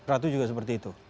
ratu juga seperti itu